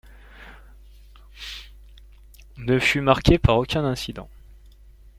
ne fut marqué par aucun incident.